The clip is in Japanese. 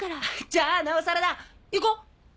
じゃあなおさらだ行こう！